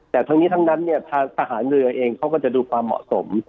แต่ทั้งนี้ทั้งนั้นเนี่ยทางทหารเรือเองเขาก็จะดูความเหมาะสม